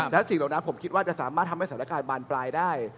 และสิ่งเหล่านั้นผมคิดว่าจะสามารถทำให้สถานการณ์บานปลายได้